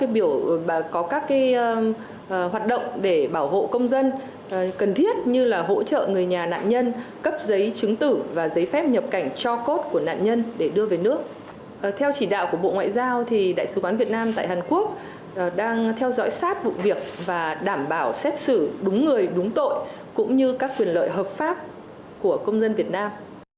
bộ ngoại giao việt nam đã chỉ đạo đại sứ quán việt nam tại hàn quốc theo dõi sát vụ việc và đảm bảo xét xử đúng người đúng tội cũng như các quyền lợi hợp pháp của công dân việt nam